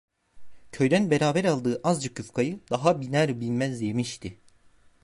Köyden beraber aldığı azıcık yufkayı daha biner binmez yemişti.